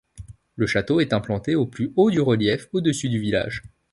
Le château est implanté au plus haut du relief, au-dessus du village.